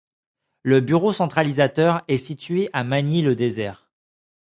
Le bureau centralisateur est situé à Magny-le-Désert.